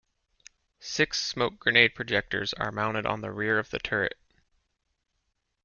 Six smoke grenade projectors are mounted on the rear of the turret.